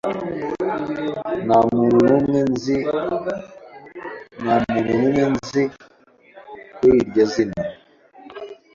Nta muntu n'umwe nzi kuri iryo zina.